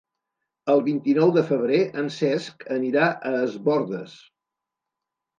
El vint-i-nou de febrer en Cesc anirà a Es Bòrdes.